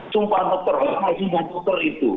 sumpah dokter maksudnya dokter itu